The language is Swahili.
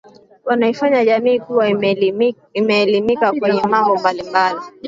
wanaifanya jamii kuwa imeelimika kwenye mambo mbali mbali